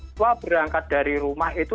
tua berangkat dari rumah itu